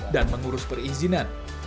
dan mengurus perizinan